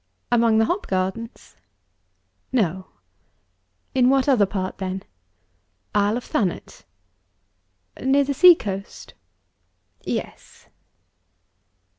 "Among the hop gardens?" "No." "In what other part, then?" "Isle of Thanet." "Near the sea coast?" "Yes."